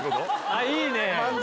あっいいね漫談？